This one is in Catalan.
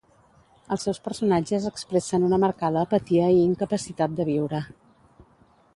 Els seus personatges expressen una marcada apatia i incapacitat de viure.